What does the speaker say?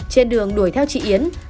trên đường đuổi theo chị yến